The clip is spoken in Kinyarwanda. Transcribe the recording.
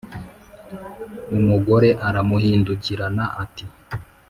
umugore aramuhindukirana ati